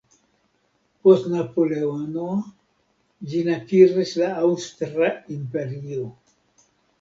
Post Napoleono, ĝin akiris la Aŭstra imperio.